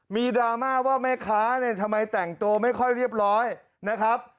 ดราม่าว่าแม่ค้าเนี่ยทำไมแต่งตัวไม่ค่อยเรียบร้อยนะครับ